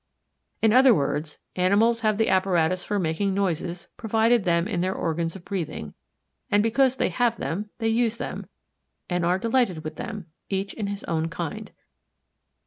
In other words, animals have the apparatus for making noises provided them in their organs of breathing, and because they have them they use them and are delighted with them, each in his own kind.